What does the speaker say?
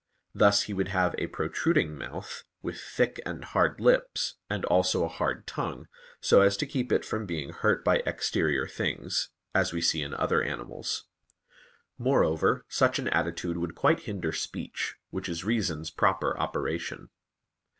Thus he would have a protruding mouth, with thick and hard lips, and also a hard tongue, so as to keep it from being hurt by exterior things; as we see in other animals. Moreover, such an attitude would quite hinder speech, which is reason's proper operation.